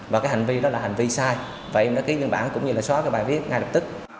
và cái hành vi đó là hành vi sai và em đã ký nhân bản cũng như là xóa cái bài viết ngay lập tức